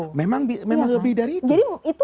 sebenarnya kalau allah mau kan bisa lebih dari itu